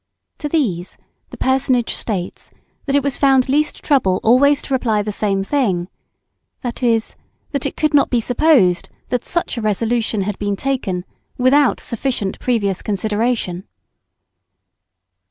To these the personage states that it was found least trouble always to reply the same thing, viz., that it could not be supposed that such a resolution had been taken without sufficient previous consideration.